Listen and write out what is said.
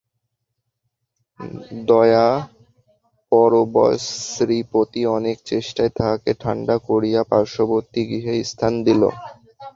দয়াপরবশ শ্রীপতি অনেক চেষ্টায় তাহাকে ঠাণ্ডা করিয়া পার্শ্ববর্তী গৃহে স্থান দিল।